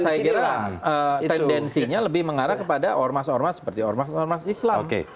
saya kira tendensinya lebih mengarah kepada ormas ormas seperti ormas ormas islam